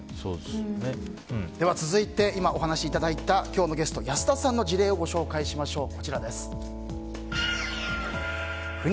では続いて今お話しいただいた今日のゲスト、安田さんの事例をご紹介しましょう。